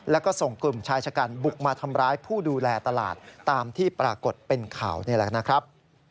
แล้วก็ส่งกลุ่มชายชะกันบุกมาทำร้ายผู้ดูแลตลาดตามที่ปรากฏเป็นข่าวนี่แหละนะครับ